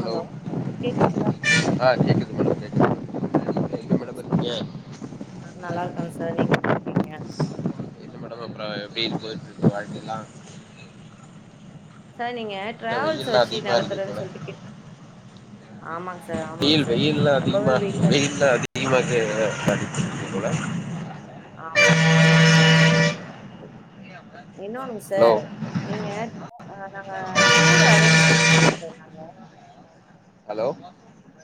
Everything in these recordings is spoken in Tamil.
ஹலோ கேக்குதுங்களா. ஆ கேக்குது மேடம் கேக்குது மேடம் இருக்கீங்க அ ஆ நல்லா இருக்காங்க சார் நீங்க எப்டி இருக்கீங்க. மேடோம் அப்றோம் எப்டி போயிட்டுருக்கு வாழ்கைல்லா சார் நீங்க என்ன டிராவல்ஸ் வெயில்லாம் வச்சு அதிகமா இருக்கு நடத்துறன்னு போல சொல்ட்டுக்கி ஆமாங்க சார் ஆமாங்க வெயில் சார் வெயில்லாம் ரொம்பவே அதிகமா வெயில வெயில்லாம் போல. [inaudible] ஆமா ஆமாங்க சார் ஆமாங் இன்னொன் ஹலோ சார். நீங்க ஆ நாங்க டூர் அரேஞ்ச் பண்ணிருக்கோம் சார் நாங்க. ஹலோ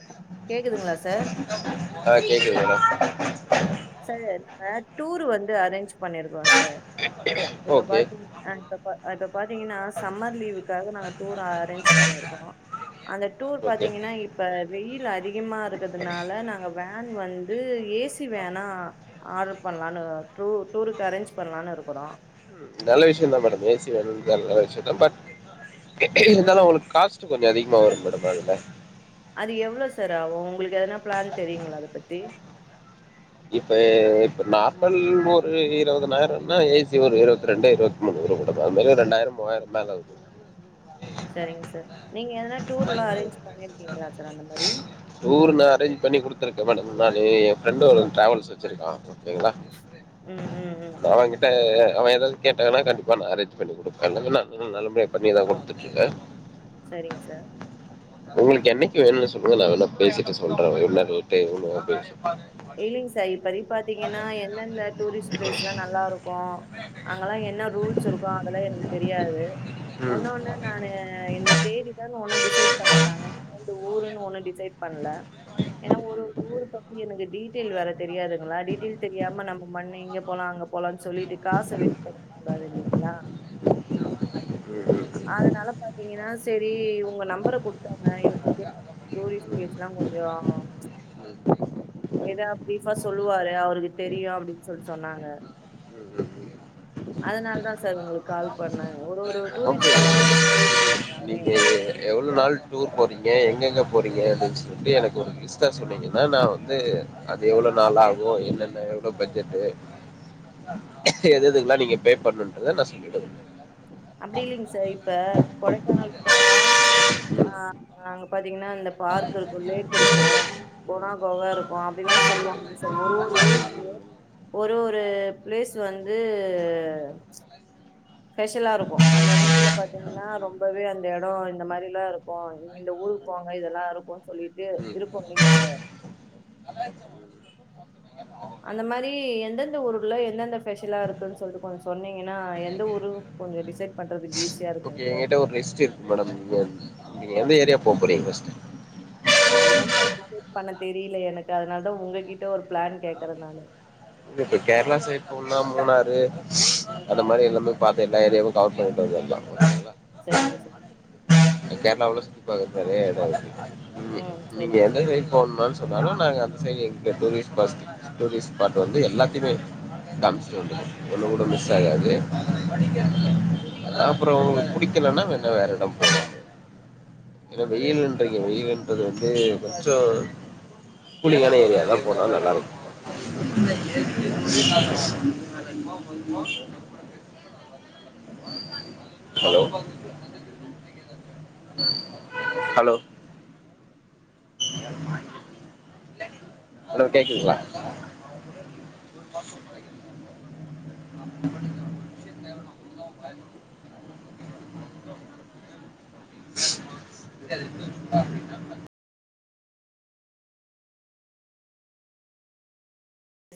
அ கேக்குதுங்களா சார் ஆ கேக்குது மேடோ சார் நாங்க டூர் வந்து அரேஞ்ச் பண்ணிருக்கோ. சார் அப்ப ஓகே பாத்தி ஆ ப்பப இப்ப பாத்தீங்கன்னா சம்மர் லீவுக்காக நாங்க டூர் அரேஞ்ச் பண்ணியிருக்கோம் அந்த டூர் ஓகே பாத்தீங்கன்னா ப். இப்ப வெயில் அதிகமா இருக்கிறதுனால நாங்க வேன் வந்து ஏசி வேன் நா ஆர்டர் பண்ணலான்னு டூ டூருக்கு அரேஞ்ச் பண்ணலான்னு இருக்குறோம் நல்ல விஷயந்தா மேடோம் ஏசி வேணும் தா விஷயத பட் இருந்தாலும் ம் அவங்களுகு காசு. ட்டு கொஞ்சோ அதிகமா வரும் மேடம் அதுல அது எவ்ளோ சார் ஆவூ உங்களுக்கு எதுனா பிளான் தெரியுங்ளா அத பத்தி இப்ப இப்ப நார்மல் ஒரு இருவது நாயிரன்னா ஏசி ஒரு இருவத்தி ரெண்டு இருவத் [unintelligible] அதுமாரி ரெண்டாயிர மூவாயிரந்தாங்க ஆகுது செரிங் சார் நீங்க எதனா டூர்ல்லா அரேஞ்ச் பண்ணீர்கீங்ளா சார் அந்த மாரி டூர் நா அரேஞ்ச் பண்ணி குடுத்துருக்க மேடம நானு எ ஃப்ரெண்ட் ஒரு ட்ராவல்ஸ் வச்சிருக்கா ஓகேங்ளா ம் ம் ம் அவங்கிட்ட அவ எதாவது கேட்டாங்கன்னா கண்டிப்பா நா அரேஞ்ச் பண்ணி குடுப்ப [unintelligible] நல்லபடியா பண்ணிதா குடுத்துட்டிருக்க சரிங் சார் உங்களுக்கு என்னைக்கு வேணுன்னு சொல்லுங்க நா வேனா பேசிட்டு சொல்ற என்ன ரேட்டு [unintelligible] இல்லிங் சார் இப்பதிக் பாத்தீங்கன்னா எந்தெந்த டூரிஸ்ட் பிளேஸ்ல்லா நல்லாருக்கு அங்கல்லா என்ன ரூல்ஸ் இருக்கு அதல்லா எனுக்கு தெரியாது ம் ம் ஒன்னொன்னு நானு இந்த தேதி ப்ளான் ஒன்னு டிசைட் பண்ணல நாங்க இந்த ஊருன்னு ஒன்னு டிசைட் பண்ல ஏனா ஒரு ஒரு ம் ஊர் பத்தி எனுக்கு டீடெல் வேற தெரியாதுங்ளா டீடெய்ல் தெரியாம நம்ம மண்ணு இங்க போலா அங்க போலான் சொல்லீட்டு காச வேஸ் பண் கூடாது இல்லிங்ளா ம் ம் அதனால பாத்தீங்கன்னா செரி இவுங்க நம்பர குடுத்தாங்க இவருட்ட கேட் டூரிஸ்ட் பிளேஸ்ல்லா கொஞ்சோ ம் ஏதா ப்ரீஃபா சொல்லுவாரு அவருக்கு தெரியு அப்டின் சொல்ட்டு சொன்னாங்க ம் ம் ம் அதனாலதா சார் உங்ளுக் கால் பண்ண ஒரு ஒரு ம் ம் டூரிஸ்ட் பிளேஸ்லா ஓகே நீங்க போயிருப்பீங்ளாமே நீங்க எவ்ளோ நாள் டூர் போறீங்க எங்கெங்க போறீங்க அப்டின் சொல்ட்டு எனக்கு ஒரு லி ஸ்ட்டா சொன்னீங்கன்னா நா வந்து அது எவ்ளோ நாளாகு என்னென்ன எவ்ளோ பட்ஜெட்டு் எது எதுக்ளா நீங்க பே பண்ணுன்றத நா சொல்லிடுவ அப்டில்லிங் சார் இப்ப கொடைக்கானல் போனா ஆஹ் அங்க பாத்தீங்னா இந்த பார்க் இருக்கு லேக் இருக்கு கொணா கொக இருக்கு அப்டிலா சொல்லுவாங்கில்ல சார் ஒரு ஒரு ஊருக்கு ஒரு ஒரு பிளேஸ் வந்து ஸ்பெஷலா இருக்கு அந்த எடத்துல பாத்தீங்னா ரொம்பவே அந்த எடோ இந்த மாரிலா இருக்கு இந்த ஊருக் போங்க இதல்லா இருக்குன் சொல்லிட்டு ம் இருக்குல்லீங்க சார் ம் அந்த மாரி எந்தெந்த ஊர்ல எந்தெந்த ஃபெஷலா இருக்குன் சொல்லீட்டு கொஞ்சோ சொன்னீங்கன்னா எந்த ஊர் கொஞ்சோ டிசைட் பண்றதுக் ஈஸி ஓகே எங்கிட்ட ஒரு லிஸ்ட் இருக்கு மேடம் நீங்க எந்த ஏரியா போ போறீங்க் ஃபஸ்டு அதுதாங் சார் டிஸைட் பண்ண தெரீல எனக்கு அதனாலதா உங்ககிட்ட ஒரு பிளான் கேக்கற நானு இப்ப கேரளா சைட் போன்னா மூணாறு ம். அந்த மாரி எல்லாமே பாத்து எல்ல ஏரியாவு கவர் பண்ணீட்டு வந்தர்லா செரிங்க சார் கேரளாவுல சுத்தி பாக்ற்துக்கு நெறைய எடோ இருக்கு நீ ம். சரிங்க நீங்க சார். எந்த சைட் போணுன்னு சொன்னாலு நாங்க அந்த சைடு எங்க டூரிஸ்ட் பாஸ்ட் டூரிஸ்ட் ஸ்பாட் வந்து எல்லாத்திமே காமிச்ட்டுவந்துருவோ ஒன்னு கூடோ மிஸ் ஆகாது அப்றோ உங்களுக்கு புடிக்கலன்னா வேன்னா வேற எடம் போலா ஏனா வெயிலுன்றீங்க வெயிலுன்றது வந்து கொஞ்சோ கூலிங்கான ஏரியா எதா போட்டாலு நல்லாருக்கு மா உமா ஹலோ ஹலோ நல்மா ஹலோ கேக்குதுங்ளா